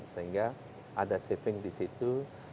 sehingga ada saving di situ